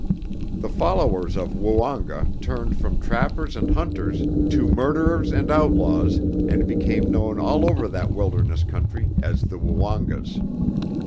The followers of Woonga turned from trappers and hunters to murderers and outlaws, and became known all over that wilderness country as the Woongas.